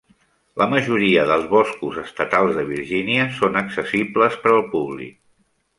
La majoria dels boscos estatals de Virginia són accessibles per al públic.